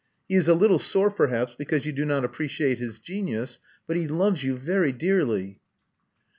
He is a little sore, perhaps, because you do not appreciate his genius; but he loves you very dearly."